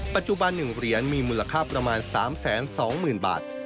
ปัจจุบัน๑เหรียญมีมูลค่าประมาณ๓๒๐๐๐บาท